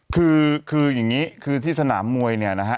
คือคืออย่างนี้คือที่สนามมวยเนี่ยนะฮะ